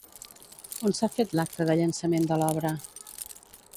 On s'ha fet l'acte de llançament de l'obra?